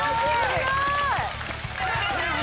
すごい！